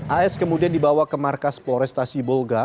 as kemudian dibawa ke markas polrestasi bolga